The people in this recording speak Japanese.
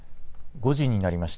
５時になりました。